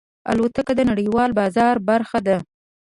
الوتکه د نړیوال بازار برخه ده.